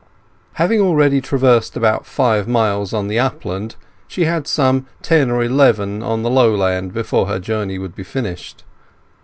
Having already traversed about five miles on the upland, she had now some ten or eleven in the lowland before her journey would be finished.